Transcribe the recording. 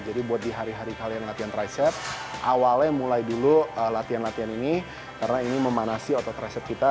jadi buat di hari hari kalian latihan tricep awalnya mulai dulu latihan latihan ini karena ini memanasi otot tricep kita